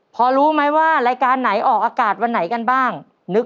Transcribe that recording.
พอรู้ไหมว่ารายการไหนออกอากาศวันไหนกันบ้าง